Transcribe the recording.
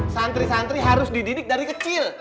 santri santri harus dididik dari kecil